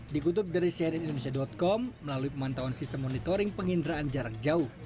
dikutuk dari syariahindonesia com melalui pemantauan sistem monitoring penginderaan jarak jauh